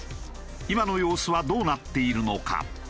今の様子はどうなっているのか？